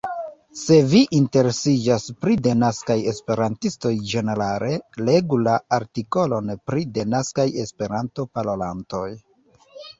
Se vi interesiĝas pri denaskaj Esperantistoj ĝenerale, legu la artikolon pri denaskaj Esperanto-parolantoj.